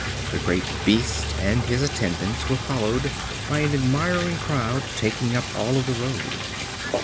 The great beast and his attendants were followed by an admiring crowd, taking up all of the road.